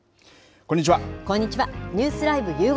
こんにちは。